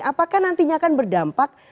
apakah nantinya akan berdampak